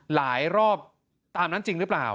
รอบตามนั้นจริงหรือเปล่า